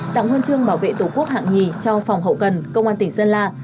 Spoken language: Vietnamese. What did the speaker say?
tặng huân chương bảo vệ tổ quốc hạng hai cho phòng hậu cần công an tỉnh sơn la